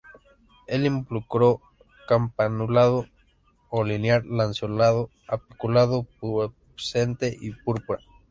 El involucro campanulado o linear-lanceolado, apiculado, pubescente y púrpura.